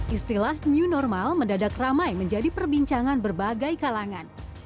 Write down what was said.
istilah new normal mendadak ramai menjadi perbincangan berbagai kalangan